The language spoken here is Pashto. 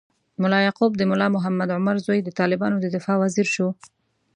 ملا یعقوب، د ملا محمد عمر زوی، د طالبانو د دفاع وزیر شو.